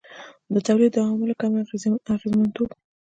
د تولید د عواملو کم اغېزمنتوب.